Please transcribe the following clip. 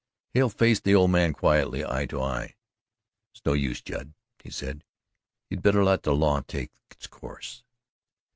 Hale faced the old man quietly eye to eye. "It's no use, Judd," he said, "you'd better let the law take its course."